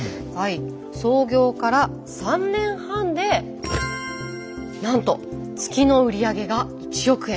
創業から３年半でなんと月の売上が１億円。